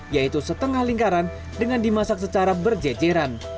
yaitu setengah lingkaran dengan dimasak secara berjejeran